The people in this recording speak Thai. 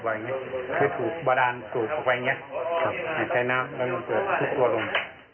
คือบัดดานสูบออกไปอย่างนี้ใช้น้ำแล้วก็มีตัวลง